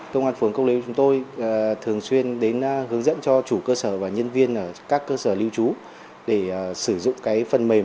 công an phường cố lý chúng tôi thường xuyên đến hướng dẫn cho chủ cơ sở và nhân viên ở các cơ sở lưu trú để sử dụng phần mềm